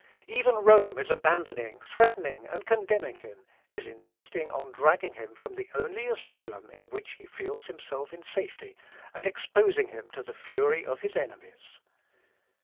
Even Rome is abandoning, threatening, and condemning him is insisting on dragging him from the only asylum in which he feels himself in safety, and exposing him to the fury of his enemies....